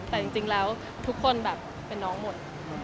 แต่จริงแล้วทุกคนแบบเป็นน้องหมด